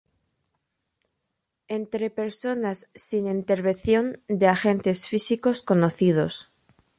entre personas sin intervención de agentes físicos conocidos